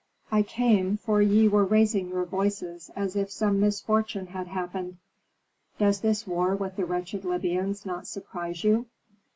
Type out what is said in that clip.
"I came, for ye were raising your voices as if some misfortune had happened. Does this war with the wretched Libyans not surprise you?"